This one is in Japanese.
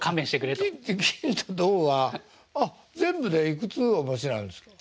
あっ全部でいくつお持ちなんですか？